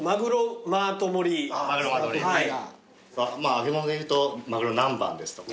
揚げ物でいうとマグロ南蛮ですとか。